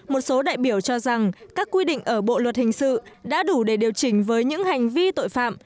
một số đại biểu cho rằng các quy định ở bộ luật hình sự đã đủ để điều chỉnh với những hành vi tội phạm